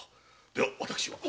では私は。